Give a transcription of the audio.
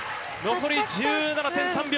残り１７．３秒。